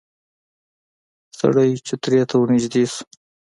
سړی چوترې ته ورنږدې شو.